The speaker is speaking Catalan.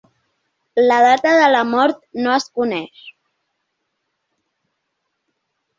La data de la mort no es coneix.